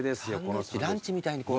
ランチみたいに。